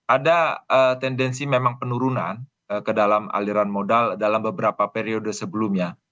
ada tendensi memang penurunan ke dalam aliran modal dalam beberapa periode sebelumnya